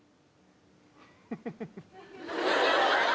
フフフフ！